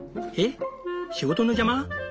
えっ仕事の邪魔？